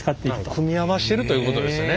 組み合わせてるということですね。